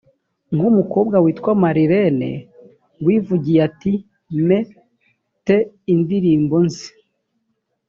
nk umukobwa witwa marlene wivugiye ati m te indirimbo nzi